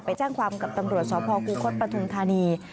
ไปแจ้งความกับตำรวจสคุคสปัทธนธานี